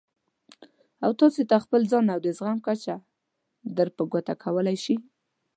او تاسې ته خپل ځان او د زغم کچه در په ګوته کولای شي.